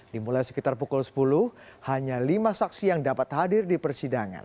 dimulai sekitar pukul sepuluh hanya lima saksi yang dapat hadir di persidangan